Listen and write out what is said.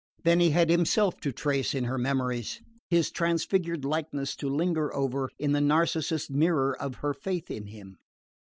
Then he had himself to trace in her memories, his transfigured likeness to linger over in the Narcissus mirror of her faith in him.